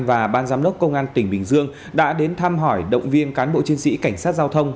và ban giám đốc công an tỉnh bình dương đã đến thăm hỏi động viên cán bộ chiến sĩ cảnh sát giao thông